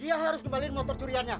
dia harus kembali motor curiannya